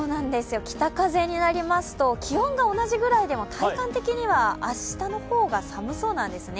北風になりますと気温が同じぐらいでも体感的には明日の方が寒そうなんですね。